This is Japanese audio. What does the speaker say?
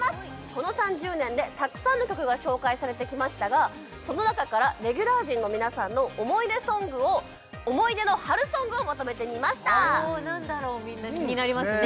この３０年でたくさんの曲が紹介されてきましたがその中からレギュラー陣の皆さんの思い出ソングを思い出の春ソングをまとめてみましたおお何だろう気になりますね